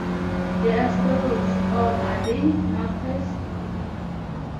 They're sparrows — or are they magpies?